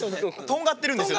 とんがってるんですよ。